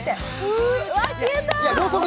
わ、消えた！